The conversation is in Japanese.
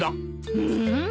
うん？